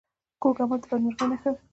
کوږ عمل د بدمرغۍ نښه وي